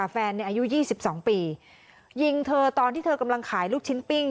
อายุ๒๒ปียิงเธอตอนที่เธอกำลังขายลูกชิ้นปิ้ง